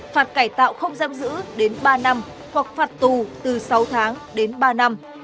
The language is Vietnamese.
phạt cải tạo không giam giữ đến ba năm hoặc phạt tù từ sáu tháng đến ba năm